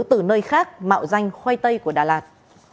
từ nơi khác mạo danh khoai tây của đà lạt